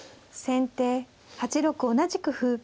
先手８六同じく歩。